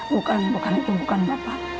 bukan bukan itu bukan bapak